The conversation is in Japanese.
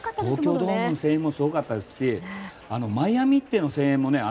東京ドームの声援もすごかったですしマイアミでの声援もね。